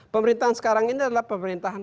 pemerintahan sekarang ini adalah pemerintahan